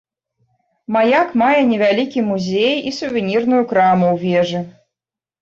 Маяк мае невялікі музей і сувенірную краму ў вежы.